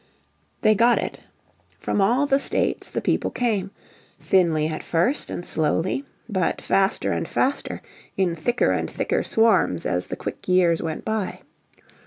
They got it. From all the states the people came; thinly at first, and slowly, but faster and faster in thicker and thicker swarms as the quick years went by.